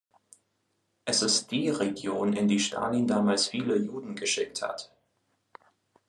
Es ist die Region, in die Stalin damals viele Juden geschickt hat.